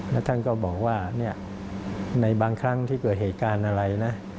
แล้วท่านก็บอกว่าในบางครั้งที่เกิดเหตุการณ์อะไรนะ